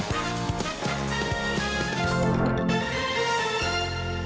โปรดติดตามตอนต่อไป